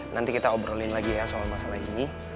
nanti kita obrolin lagi ya soal masalah ini